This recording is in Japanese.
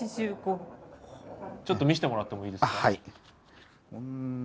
ちょっと見せてもらってもいいですか？